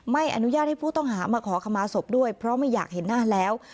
ไม่อนุญาตให้ผู้ต้องหามาขอขมาศพด้วยเพราะไม่อยากเห็นหน้าแล้ว